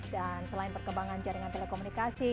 dan selain perkembangan jaringan telekomunikasi